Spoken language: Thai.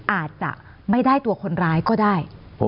อาจจะไม่ได้ตัวคนร้ายก็ได้